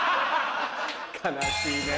悲しいね。